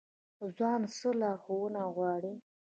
ځوان څه لارښوونه غواړي؟